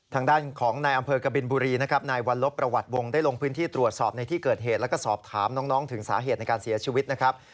ทางด้านของนายอำเภอกบินบุรีนะครับนายวัลลบประวัติวงศ์ได้ลงพื้นที่ตรวจสอบในที่เกิดเหตุแล้วก็สอบถามน้องถึงสาเหตุในการเสียชีวิตนะครับ